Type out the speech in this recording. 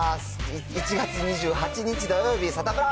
１月２８日土曜日、サタプラ。